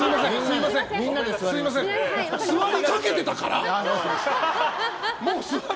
座りかけたから！